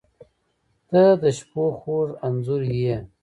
• ته د شپو خوږ انځور یې.